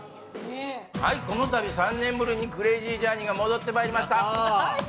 このたび３年ぶりに「クレイジージャーニー」が戻ってまいりました。